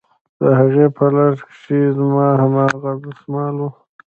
د هغې په لاس کښې زما هماغه دسمال و.